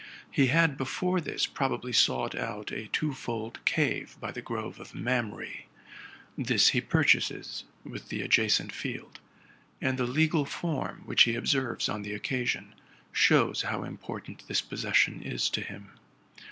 He had before this probably sought out a twofold cave by the grove of Mamre. This he purchases, with the adjacent field ; and the legal form which he observes on the occasion shows how important this possession is to him.